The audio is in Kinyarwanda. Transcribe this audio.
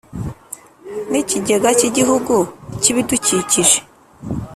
n Ikigega cy Igihugu cy Ibidukikije